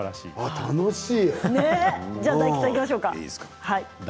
楽しい。